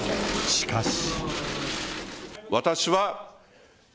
しかし。